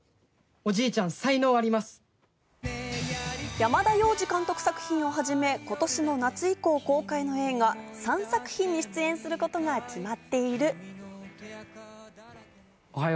山田洋次監督作品をはじめ、今年の夏以降、公開の映画３作品に出演することが決まっている。